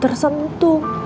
ya allah ya tuhan